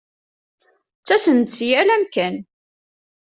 Ttasen-d si yal amkan.